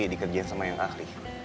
dikerjain sama yang ahli